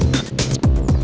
wah keren banget